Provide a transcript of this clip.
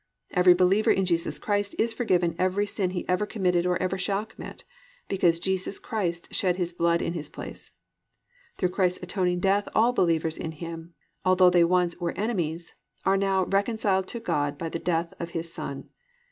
Every believer in Jesus Christ is forgiven every sin he ever committed or ever shall commit, because Jesus Christ shed His blood in his place. Through Christ's atoning death all believers in Him, although they once "were enemies," are now "reconciled to God by the death of His Son."